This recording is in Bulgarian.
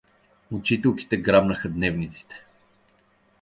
Учителките грабнаха дневниците.